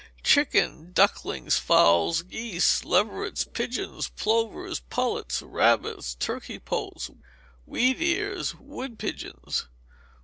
Chickens, ducklings, fowls, geese, leverets, pigeons, plovers, pullets, rabbits, turkey poults, wheat ears, wood pigeons.